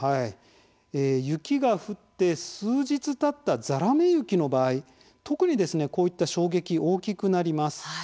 雪が降って数日たったざらめ雪の場合、特にこういった衝撃、大きくなります。